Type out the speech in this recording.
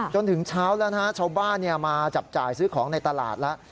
จนถึงเช้าแล้วนะฮะชาวบ้านมาจับจ่ายซื้อของในตลาดแล้ว